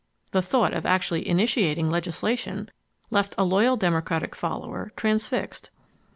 The thought of actually initiating legislation left a loyal Demo cratic follower transfixed.